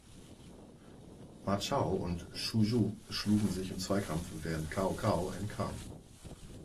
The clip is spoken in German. Ma Chao und Xu Zhu schlugen sich im Zweikampf, während Cao Cao entkam.